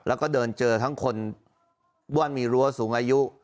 แล้วก็เดินเจอทั้งคนว่ามีรั้วสูงอายุ